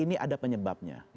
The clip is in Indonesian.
ini ada penyebabnya